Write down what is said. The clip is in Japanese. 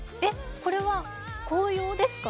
これは紅葉ですか？